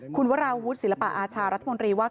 คุณวราวุฒิศิลปะอาชารัฐมนตรีว่า